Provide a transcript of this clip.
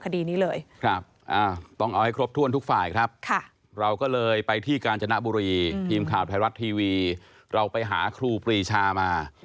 คลั่งเอาให้กลบท่วนทุกฝ่ายครับเราก็เลยไปที่การจนบุรีทีมข่าวไทยรัฐทีวีเราไปหาครูปรีชา